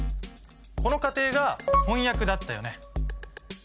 この過程が「翻訳」だったよね。